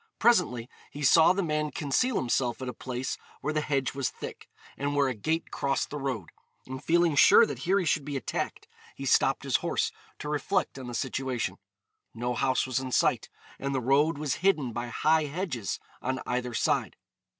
Presently he saw the man conceal himself at a place where the hedge was thick, and where a gate crossed the road; and feeling sure that here he should be attacked, he stopped his horse to reflect on the situation. No house was in sight, and the road was hidden by high hedges on either side.